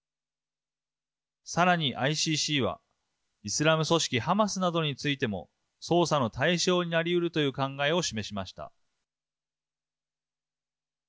さらにＩＣＣはイスラム組織ハマスなどについても捜査の対象になりうるという考えを示しました。